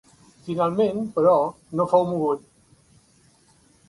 Finalment, però, no fou mogut.